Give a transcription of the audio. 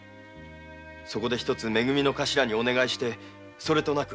そこでめ組のカシラにお願いしてそれとなく。